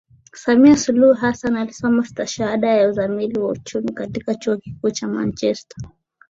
Samia Suluhu Hassan alisoma stashahada ya Uzamili ya Uchumi katika Chuo Kikuu cha Manchester